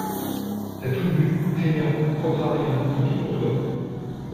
T’as tout bu, feignant, propre à rien, tant pis pour toi!